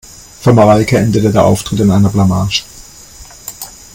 Für Mareike endete der Auftritt in einer Blamage.